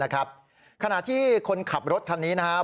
ขณะที่คนขับรถคันนี้นะครับ